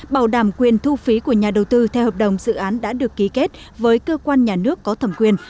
bảo đảm quyền thu phí của nhà đầu tư theo hợp đồng dự án đã được ký kết với cơ quan nhà nước có thẩm quyền